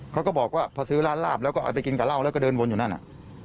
เขาก็บอกว่าพอซื้อร้านลาบแล้วก็เอาไปกินกับเหล้าแล้วก็เดินวนอยู่นั่นน่ะ